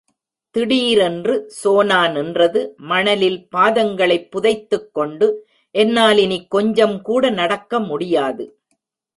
திடீரென்று சோனா நின்றது மணலில் பாதங்களைப் புதைத்துக் கொண்டு, என்னால் இனி கொஞ்சம் கூட நடக்க முடியாது.